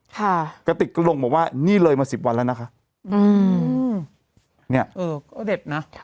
กระติกก็ลงบอกว่านี่เลยมาสิบวันแล้วนะคะอืมเนี้ยเออก็เด็ดนะ